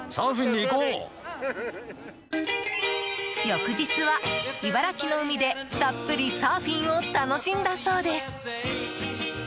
翌日は茨城の海でたっぷりサーフィンを楽しんだそうです。